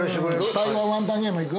◆台湾ワンタンゲーム、行く？